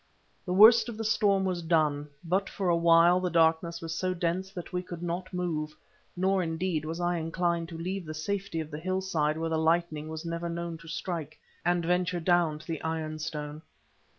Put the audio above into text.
The worst of the storm was done, but for a while the darkness was so dense that we could not move, nor, indeed, was I inclined to leave the safety of the hillside where the lightning was never known to strike, and venture down to the iron stone.